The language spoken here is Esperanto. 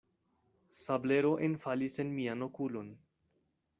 Sablero enfalis en mian okulon.